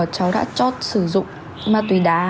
cháu đã chót sử dụng ma túy đá